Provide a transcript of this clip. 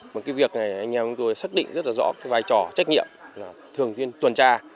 cái việc này anh em tôi xác định rất là rõ cái vai trò trách nhiệm là thường tiên tuần tra